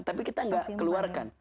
tapi kita nggak keluarkan